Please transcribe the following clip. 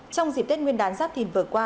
trong dịp tết nguyên đán giáp tình vừa qua